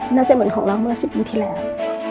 เหมือนของเราเมื่อ๑๐ปีที่แล้ว